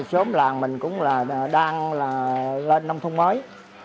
sốm làng mình cũng đang lên nông thôn mới